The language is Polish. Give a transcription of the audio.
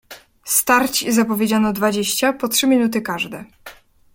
"Starć zapowiedziano dwadzieścia po trzy minuty każde."